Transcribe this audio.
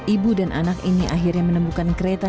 ibu dan anak ini akhirnya menemukan kereta